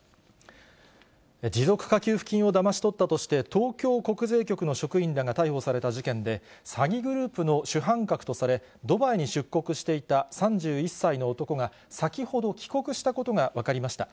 持続化給付金をだまし取ったとして、東京国税局の職員らが逮捕された事件で、詐欺グループの主犯格とされ、ドバイに出国していた３１歳の男が、先ほど帰国したことが分かりました。